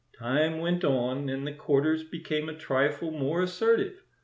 "Time went on, and the courters became a trifle more assertive.